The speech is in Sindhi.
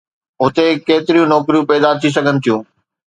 هتي ڪيتريون نوڪريون پيدا ٿي سگهن ٿيون؟